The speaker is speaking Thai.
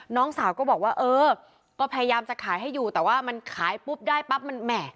น้องสาวก็บอกว่าเออก็พยายามจะขายให้อยู่แต่ว่ามันขายปุ๊บได้ปั๊บมันแหม่